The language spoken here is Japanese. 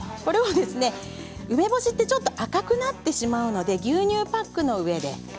梅干しはちょっと赤くなってしまうので牛乳パックの上で。